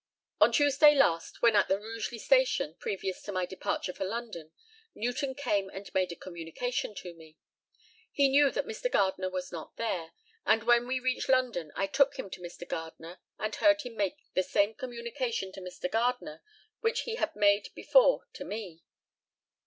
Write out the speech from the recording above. On Tuesday last, when at the Rugeley station, previous to my departure for London, Newton came and made a communication to me. He knew that Mr. Gardner was not there; and when we reached London I took him to Mr. Gardner, and heard him make the same communication to Mr. Gardner which he had made before to me.